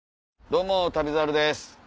どうも『旅猿』です。